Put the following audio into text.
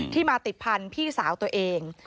มาติดพันธุ์พี่สาวตัวเอง